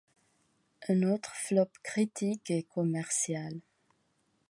Un autre flop critique et commercial.